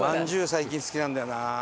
最近好きなんだよな。